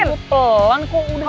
lu pelan kok udah